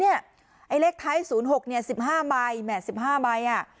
ไอ้เลขท้าย๐๖เนี่ย๑๕ใบแหม๑๕ใบอ่ะ